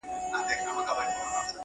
نجلۍ يوازې پرېښودل کيږي او درد لا هم شته,